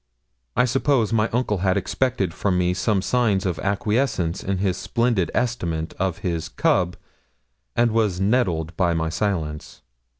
I suppose my uncle had expected from me some signs of acquiesence in his splendid estimate of his cub, and was nettled at my silence.